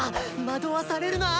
惑わされるな！